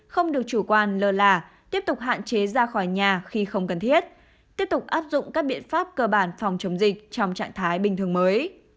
không được chủ quan lơ là tiếp tục hạn chế ra khỏi nhà khi không cần thiết tiếp tục áp dụng các biện pháp cơ bản phòng chống dịch trong trạng thái bình thường mới